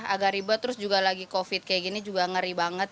agak ribet terus juga lagi covid kayak gini juga ngeri banget